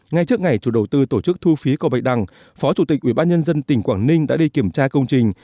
ngay trước ngày chủ đầu tư tổ chức thu phí cầu bạch đăng phó chủ tịch ubnd tỉnh quảng ninh đã đi kiểm tra công trình